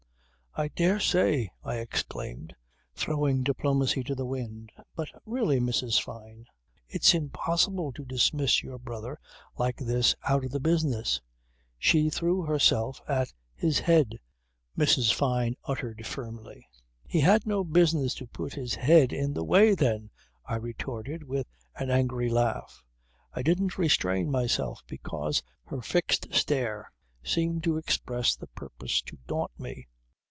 " "I dare say," I exclaimed, throwing diplomacy to the winds. "But really, Mrs. Fyne, it's impossible to dismiss your brother like this out of the business ..." "She threw herself at his head," Mrs. Fyne uttered firmly. "He had no business to put his head in the way, then," I retorted with an angry laugh. I didn't restrain myself because her fixed stare seemed to express the purpose to daunt me.